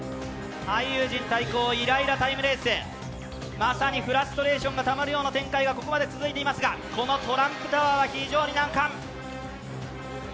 俳優陣対抗イライラタイムレース、まさにフラストレーションがたまるような展開がここまで続いています、このトランプタワーは非常に難関。